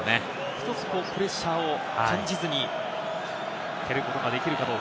１つプレッシャーを感じずに蹴ることができるかどうか。